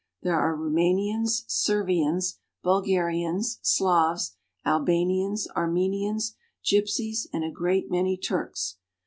There are Roumanians, Servians, Bulgarians, Slavs, Albanians, Armenians, gypsies, and a great many Turks.